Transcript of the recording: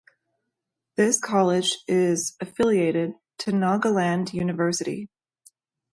This college is affiliated to Nagaland University.